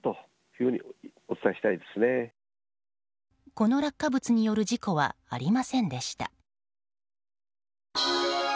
この落下物による事故はありませんでした。